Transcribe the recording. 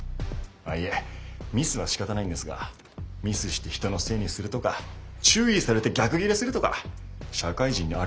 いえミスはしかたないんですがミスして人のせいにするとか注意されて逆ギレするとか社会人にあるまじき態度が問題です。